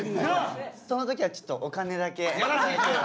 その時はちょっとお金だけいただければ。